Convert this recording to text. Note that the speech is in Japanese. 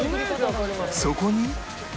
そこに